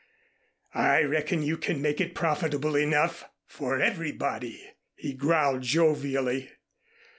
"I reckon you can make it profitable enough, for everybody," he growled jovially.